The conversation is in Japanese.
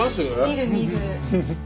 見る見る。